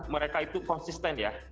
mereka itu konsisten ya